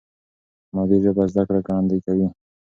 مادي ژبه زده کړه ګړندۍ کوي.